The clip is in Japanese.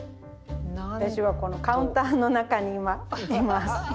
私はこのカウンターの中に今います。